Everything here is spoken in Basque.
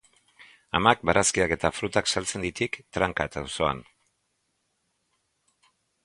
Amak barazkiak eta frutak saltzen ditik Trankat auzoan.